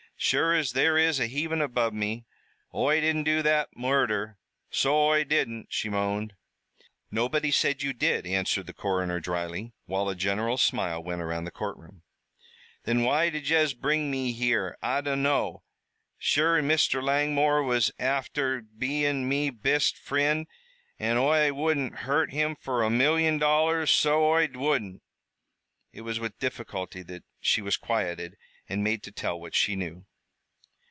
"Sure as there is a heavin above me, Oi didn't do that murder, so Oi didn't!" she moaned. "Nobody said you did," answered the coroner dryly, while a general smile went around the courtroom. "Then why did yez bring me here, I dunno? Sure an' Mr. Langmore was afther bein' me bist frind, an' Oi wouldn't harm him fer a million dollars, so Oi wouldn't!" It was with difficulty that she was quieted and made to tell what she knew.